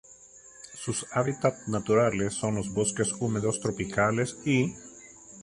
Sus hábitats naturales son los bosques húmedos tropicales y.